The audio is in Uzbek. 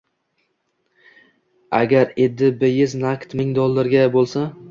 Agar Eddi Beylz nakd ming dollarga ega bo`lsa